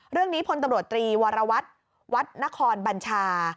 เรื่องนี้พลตำรวจตรีวารวัฒน์วัฒนครบัญชา